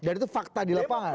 dan itu fakta di lapangan